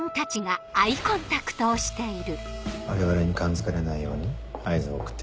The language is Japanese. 我々に感づかれないように合図を送ってる？